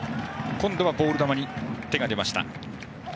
今度はボール球に手が出ました。